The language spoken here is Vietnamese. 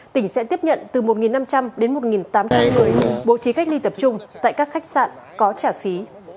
tỉnh sẽ tiếp nhận từ một năm trăm linh đến một tám trăm linh người bố trí cách ly tập trung tại các khách sạn có trả phí